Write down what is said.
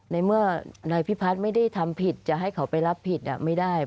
ในเมื่อนายพิพัฒน์ไม่ได้ทำผิดจะให้เขาไปรับผิดไม่ได้